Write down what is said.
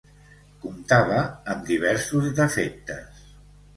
Comptava amb diversos defectes.